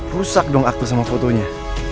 rusak dong aktor sama fotonya